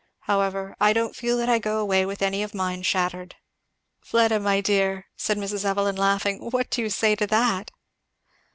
However, I don't feel that I go away with any of mine shattered." "Fleda, my dear," said Mrs. Evelyn laughing, "what do you say to that?"